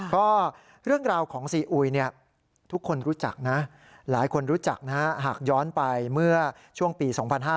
ก็เรื่องราวของซีอุยทุกคนรู้จักนะหากย้อนไปเมื่อช่วงปี๒๕๐๑๒๕๐๒